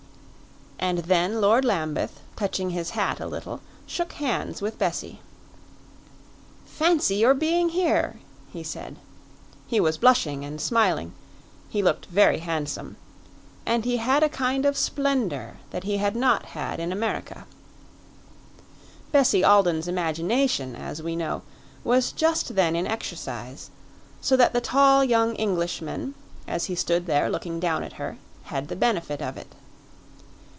And then Lord Lambeth, touching his hat a little, shook hands with Bessie. "Fancy your being here!" he said. He was blushing and smiling; he looked very handsome, and he had a kind of splendor that he had not had in America. Bessie Alden's imagination, as we know, was just then in exercise; so that the tall young Englishman, as he stood there looking down at her, had the benefit of it.